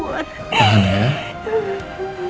ada yang mau ngakuat